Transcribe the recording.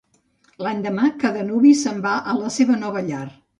L'endemà, cada nuvi se'n va a la seva nova llar.